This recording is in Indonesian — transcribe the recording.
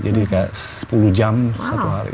jadi kayak sepuluh jam satu hari